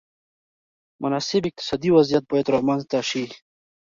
مناسب اقتصادي وضعیت باید رامنځته شي.